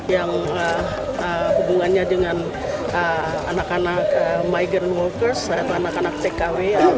yang hubungannya dengan anak anak migren workers atau anak anak tkw atau tki yang ditinggalkan di sini